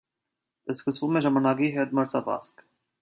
Սկսվում է ժամանակի հետ մրցավազք։